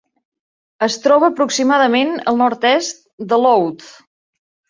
Es troba aproximadament al nord-est de Louth.